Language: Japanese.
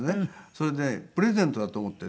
それでプレゼントだと思ってね